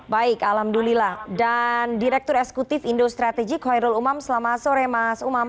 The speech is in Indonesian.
baik alhamdulillah dan direktur esekutif indo strategi khoirul umam selamat sore mas umam